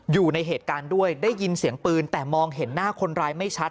อยู่ในเหตุการณ์ด้วยได้ยินเสียงปืนแต่มองเห็นหน้าคนร้ายไม่ชัด